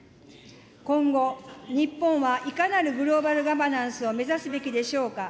今後、日本は、いかなるグローバルガバナンスを目指すべきでしょうか。